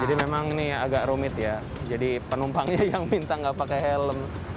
jadi memang ini agak rumit ya jadi penumpangnya yang minta enggak pakai helm